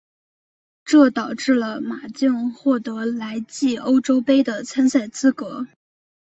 这导致了马竞获得来季欧洲杯的参赛资格。